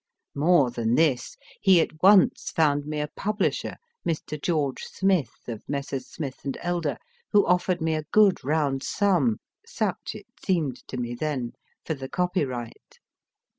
More than this, he at once found me a publisher, Mr. George Smith, of Messrs. Smith and Elder, who offered me a good round sum (such it seemed to me then) for the copyright.